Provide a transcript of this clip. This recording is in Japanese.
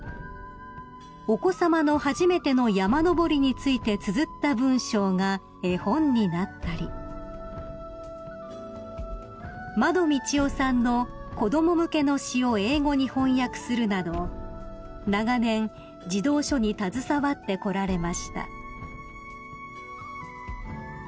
［お子さまの初めての山登りについてつづった文章が絵本になったりまど・みちおさんの子供向けの詩を英語に翻訳するなど長年児童書に携わってこられました］